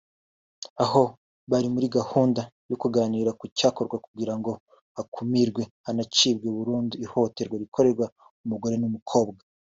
aho bari muri gahunda yo kuganira ku cyakorwa kugira ngo hakumirwe hanacibwe burundu ihohoterwa rikorerwa umugore n’umukobwa